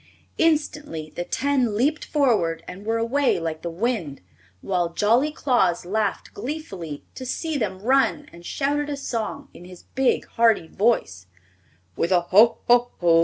Instantly the ten leaped forward and were away like the wind, while jolly Claus laughed gleefully to see them run and shouted a song in his big, hearty voice: "With a ho, ho, ho!